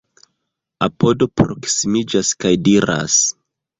Apodo proksimiĝas kaj diras: